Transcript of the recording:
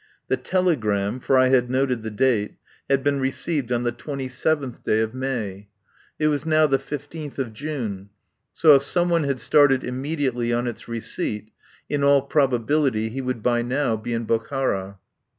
The telegram, for I had noted the date, had been received on the 27th day 88 THE TRAIL OF THE SUPER BUTLER of May. It was now the 15th of June, so if some one had started immediately on its re ceipt, in all probability he would by now be in Bokhara.